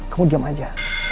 kamu diam aja